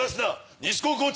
西高校長。